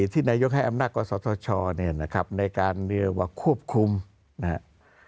ที่นายกให้อำนาจกศธชเนี่ยนะครับในการเรียกว่าควบคุมนะครับ